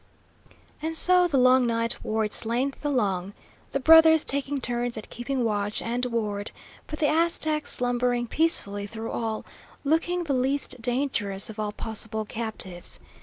And so the long night wore its length along, the brothers taking turns at keeping watch and ward, but the Aztec slumbering peacefully through all, looking the least dangerous of all possible captives.